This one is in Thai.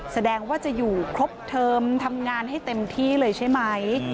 แสดงว่าจะอยู่ครบเทอมทำงานให้เต็มที่เลยใช่ไหม